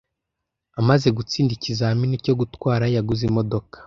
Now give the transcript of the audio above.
Amaze gutsinda ikizamini cyo gutwara, yaguze imodoka.